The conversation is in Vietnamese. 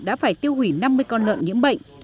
đã phải tiêu hủy năm mươi con lợn nhiễm bệnh